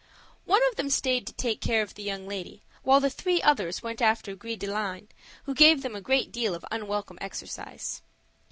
One of them stayed to take care of the young lady, while the three others went after Gris de line, who gave them a great deal of unwelcome exercise.